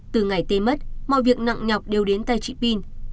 từ ngày tê mất mọi việc nặng nhọc đều đến tay chị pin